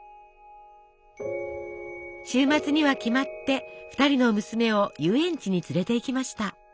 週末には決まって２人の娘を遊園地に連れていきました。